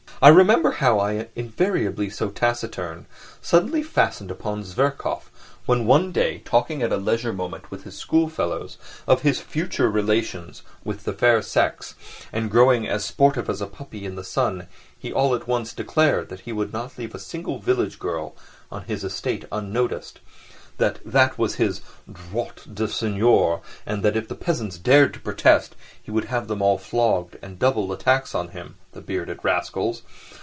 I remember how I, invariably so taciturn, suddenly fastened upon Zverkov, when one day talking at a leisure moment with his schoolfellows of his future relations with the fair sex, and growing as sportive as a puppy in the sun, he all at once declared that he would not leave a single village girl on his estate unnoticed, that that was his droit de seigneur, and that if the peasants dared to protest he would have them all flogged and double the tax on them, the bearded rascals.